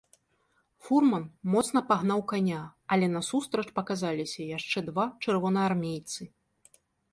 Фурман моцна пагнаў каня, але насустрач паказаліся яшчэ два чырвонаармейцы.